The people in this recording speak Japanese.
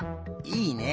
いいね。